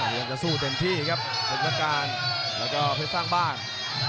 โอ้โฮจะสู้เต็มที่ครับคงการแล้วก็เผ็ดสร้างบ้าน